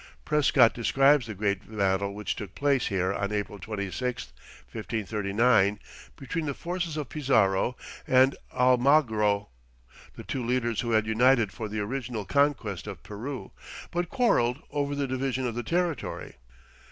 Prescott describes the great battle which took place here on April 26, 1539, between the forces of Pizarro and Almagro, the two leaders who had united for the original conquest of Peru, but quarreled over the division of the territory.